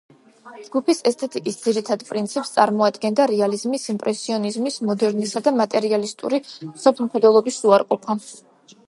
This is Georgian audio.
ჯგუფის ესთეტიკის ძირითად პრინციპს წარმოადგენდა რეალიზმის, იმპრესიონიზმის, მოდერნისა და მატერიალისტური მსოფლმხედველობის უარყოფა.